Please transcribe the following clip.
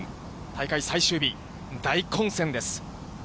大会最終日、大混戦です。